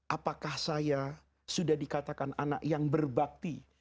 apakah saya sudah dikatakan anak yang berbakti